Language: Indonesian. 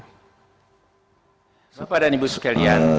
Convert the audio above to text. bapak dan ibu sekalian